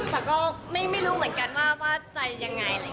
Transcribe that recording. แต่ก็ไม่รู้เหมือนกันว่าจะยังไง